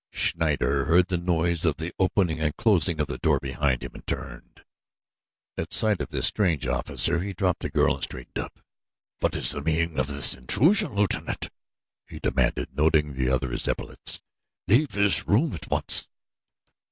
Schneider heard the noise of the opening and closing door behind him and turned. At sight of this strange officer he dropped the girl and straightened up. "What is the meaning of this intrusion, Lieutenant?" he demanded, noting the other's epaulettes. "Leave the room at once."